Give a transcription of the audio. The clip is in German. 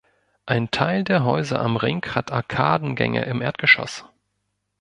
Ein Teil der Häuser am Ring hat Arkadengänge im Erdgeschoss.